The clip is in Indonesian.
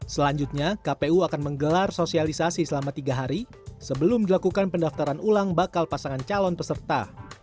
selanjutnya kpu akan menggelar sosialisasi selama tiga hari sebelum dilakukan pendaftaran ulang bakal pasangan calon peserta